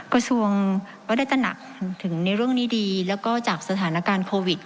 กระทรวงก็ได้ตระหนักถึงในเรื่องนี้ดีแล้วก็จากสถานการณ์โควิด